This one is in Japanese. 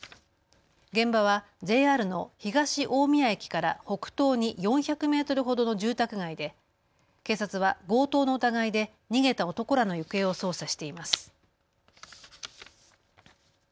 現場はＪＲの東大宮駅から北東に４００メートルほどの住宅街で警察は強盗の疑いで逃げた男らの行方を捜査しています。